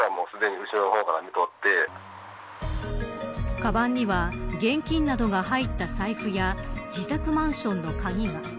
かばんには現金などが入った財布や自宅マンションの鍵が。